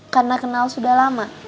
karena kenal sudah lama